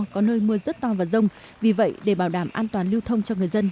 có nơi mưa rất to và rông vì vậy để bảo đảm an toàn lưu thông cho người dân